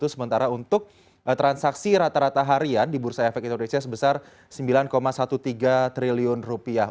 sementara untuk transaksi rata rata harian di bursa efek indonesia sebesar sembilan tiga belas triliun rupiah